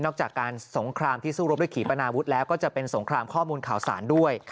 จากการสงครามที่สู้รบด้วยขี่ปนาวุฒิแล้วก็จะเป็นสงครามข้อมูลข่าวสารด้วย